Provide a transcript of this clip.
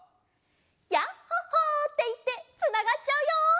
「ヤッホ・ホー」っていってつながっちゃうよ！